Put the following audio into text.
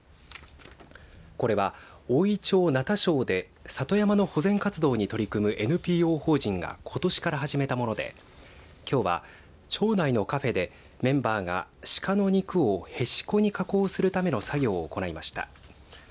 これはおおい町名田庄で里山の保全活動に取り組むＮＰＯ法人がことしから始めたものできょうは町内のカフェで、メンバーがシカの肉をへしこに加工するための作業を行いました。